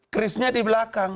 krisnya di belakang